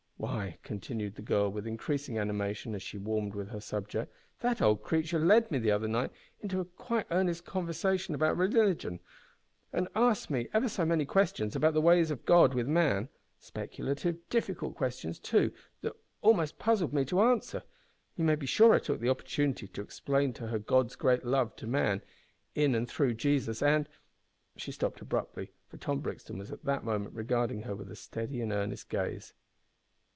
Why," continued the girl, with increasing animation, as she warmed with her subject, "that old creature led me, the other night, into quite an earnest conversation about religion, and asked me ever so many questions about the ways of God with man speculative, difficult questions too, that almost puzzled me to answer. You may be sure I took the opportunity to explain to her God's great love to man in and through Jesus, and " She stopped abruptly, for Tom Brixton was at that moment regarding her with a steady and earnest gaze.